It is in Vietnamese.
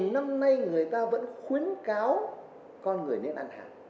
bốn năm nay người ta vẫn khuyến cáo con người nên ăn hạt